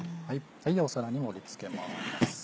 では皿に盛り付けます。